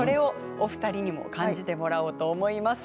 お二人にも感じてもらおうと思います。